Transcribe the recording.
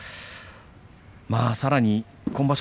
さらに今場所